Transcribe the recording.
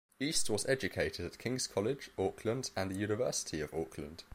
East was educated at King's College, Auckland and the University of Auckland.